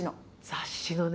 雑誌のね。